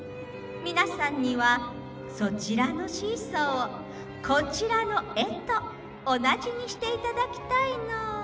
みなさんにはそちらのシーソーをこちらのえとおなじにしていただきたいの。